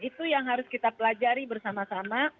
itu yang harus kita pelajari bersama sama